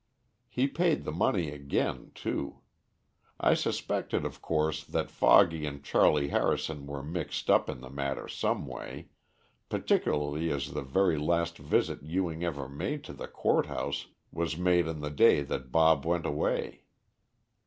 He paid the money again, too. I suspected, of course, that Foggy and Charley Harrison were mixed up in the matter some way, particularly as the very last visit Ewing ever made to the Court House was made on the day that Bob went away.